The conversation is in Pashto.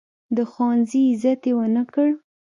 د ښوونځي عزت یې ونه کړ.